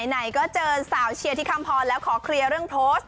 ไหนก็เจอสาวเชียร์ที่คำพรแล้วขอเคลียร์เรื่องโพสต์